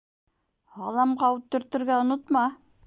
— Һаламға ут төртөргә онотма!